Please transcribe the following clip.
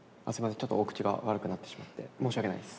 ちょっとお口が悪くなってしまって申し訳ないです。